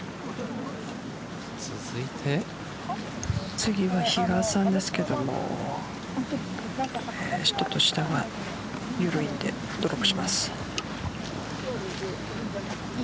次は比嘉さんですけども下が緩いのでドロップします。